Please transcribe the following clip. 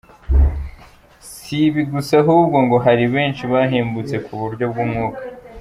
Si ibi gusa ahubwo ngo hari benshi bahembutse mu buryo bw’Umwuka.